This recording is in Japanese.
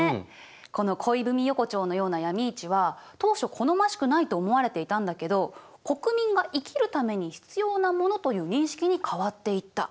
この恋文横丁のような闇市は当初好ましくないと思われていたんだけど国民が生きるために必要なものという認識に変わっていった。